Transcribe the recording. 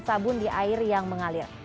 sabun di air yang mengalir